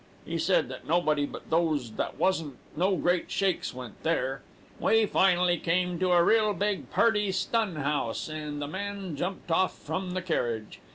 He said that nobody but those that wasn't no great shakes went there. We finally come to a real big, purty stun house, and the man jumped off from the carriage.